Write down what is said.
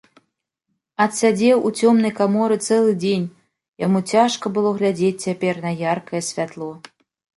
Адсядзеў у цёмнай каморы цэлы дзень, яму цяжка было глядзець цяпер на яркае святло.